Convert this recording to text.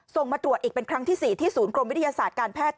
มาตรวจอีกเป็นครั้งที่๔ที่ศูนย์กรมวิทยาศาสตร์การแพทย์